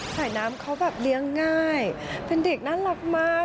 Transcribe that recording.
สายน้ำเขาแบบเลี้ยงง่ายเป็นเด็กน่ารักมาก